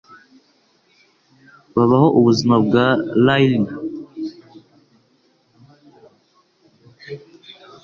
babaho ubuzima bwa Riley